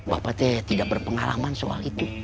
bapak tidak berpengalaman soal itu